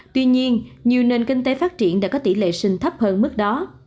tuy nhiên nhiều nền kinh tế phát triển đã có tỷ lệ sinh thấp hơn mức đó